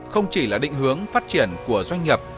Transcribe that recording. không chỉ là định hướng phát triển của doanh nghiệp